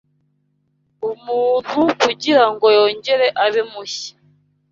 umuntu kugira ngo yongere abe mushya.